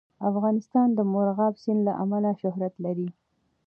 افغانستان د مورغاب سیند له امله شهرت لري.